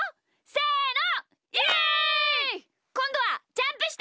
せの！